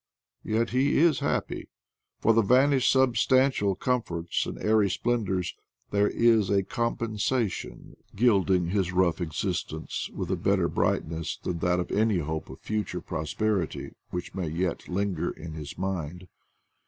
Yet is he happy. For the vanished substantial comforts and airy splendors there is a compensation gilding his rough existence with a better brightness than that of any hope of future prosperity which may yet linger in his mind.